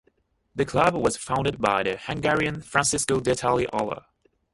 The club was founded by the Hungarian Francisco Detari Olah.